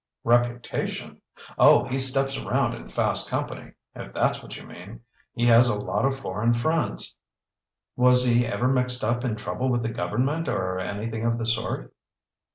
"Reputation? Oh, he steps around in fast company, if that's what you mean. He has a lot of foreign friends." "Was he ever mixed up in trouble with the government or anything of the sort?"